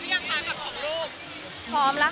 มีใครปิดปาก